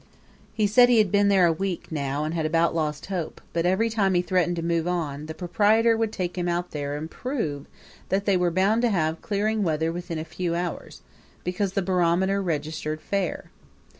He said he had been there a week now and had about lost hope; but every time he threatened to move on, the proprietor would take him out there and prove that they were bound to have clearing weather within a few hours, because the barometer registered fair.